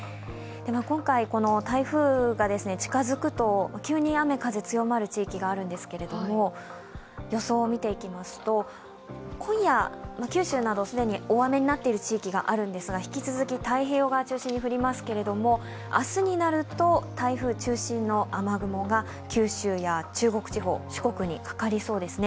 今回、台風が近づくと急に雨・風、強まる地域があるんですけど予想を見ていきますと、今夜、九州など既に大雨になっている地域があるんですけれども、引き続き太平洋側を中心に降りますけれども、明日になると、台風中心の雨雲が九州や中国地方、四国にかかりそうですね。